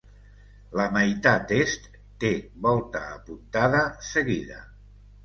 La meitat est té volta apuntada seguida.